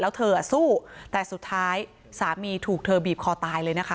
แล้วเธอสู้แต่สุดท้ายสามีถูกเธอบีบคอตายเลยนะคะ